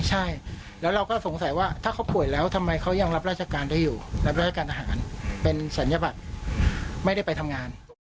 ใช่แล้วเราก็สงสัยว่าถ้าเขาป่วยแล้วทำไมเขายังรับราชการได้อยู่รับราชการทหารเป็นศัลยบัตรไม่ได้ไปทำงาน